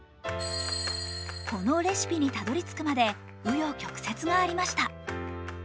このレシピにたどり着くまで紆余曲折がありました。